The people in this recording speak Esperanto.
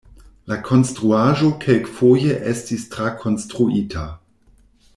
La konstruaĵo kelkfoje estis trakonstruita.